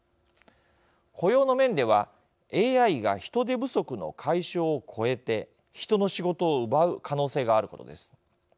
雇用の面ではＡＩが人手不足の解消を超えて人の仕事を奪う可能性があることです。